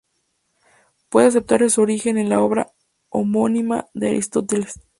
Puede aceptarse su origen en la obra homónima de Aristóteles.